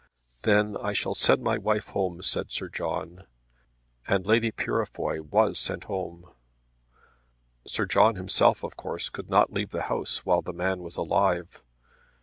"Then I shall send my wife home," said Sir John. And Lady Purefoy was sent home. Sir John himself of course could not leave the house while the man was alive.